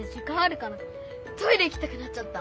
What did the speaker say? トイレ行きたくなっちゃった。